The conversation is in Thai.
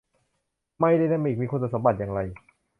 ไมค์ไดนามิกมีคุณสมบัติอย่างไร